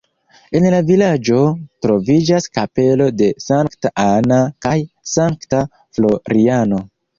En la vilaĝo troviĝas kapelo de sankta Anna kaj sankta Floriano.